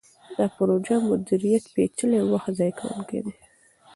د پروژو مدیریت پیچلی او وخت ضایع کوونکی دی.